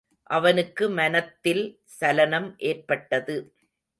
அவனுக்கு மனத்தில் சலனம் ஏற்பட்டது.